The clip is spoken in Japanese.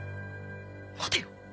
待てよ！